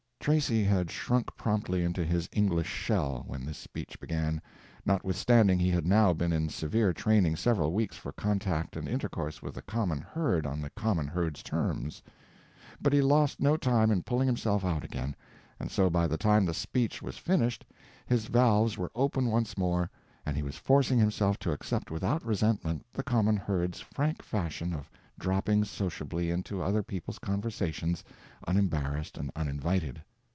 Tracy had shrunk promptly into his English shell when this speech began, notwithstanding he had now been in severe training several weeks for contact and intercourse with the common herd on the common herd's terms; but he lost no time in pulling himself out again, and so by the time the speech was finished his valves were open once more, and he was forcing himself to accept without resentment the common herd's frank fashion of dropping sociably into other people's conversations unembarrassed and uninvited.